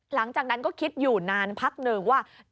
หลังจากนั้นก็คิดอยู่นานพักหนึ่งว่า